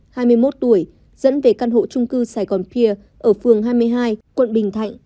hai mươi một tuổi dẫn về căn hộ trung cư sài gòn pia ở phường hai mươi hai quận bình thạnh